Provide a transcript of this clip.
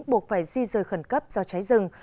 buộc phải di rời khẩn cấp do cháy rừng